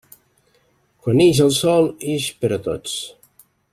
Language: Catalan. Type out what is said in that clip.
Quan ix el sol, ix per a tots.